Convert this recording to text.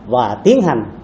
và tiến hành